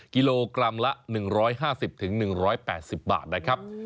กิโลกรัมละ๑๕๐๑๘๐บาทนะครับ